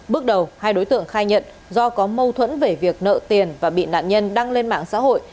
bước đầu hai đối tượng khai nhận do có mâu thuẫn về việc nợ tiền và bị nạn nhân đăng lên mạng xã hội